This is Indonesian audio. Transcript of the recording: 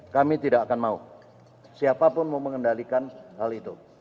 kami tidak akan mau siapapun mau mengendalikan hal itu